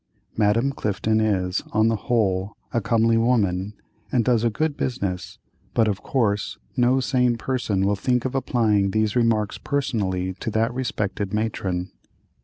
Madame Clifton is, on the whole, a comely woman, and does a good business, but of course no sane person will think of applying these remarks personally to that respected matron.